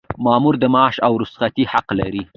مامور د معاش او رخصتۍ حق لري.